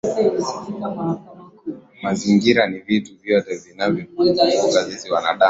Mazingira ni vitu vyote vinavyotuzunguka sisi wanadamu